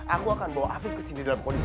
aku akan bawa afif kesini dalam kondisi